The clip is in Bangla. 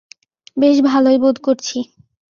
বেশ ভালই বোধ করছি।